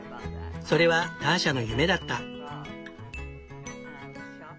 それはターシャの夢だった。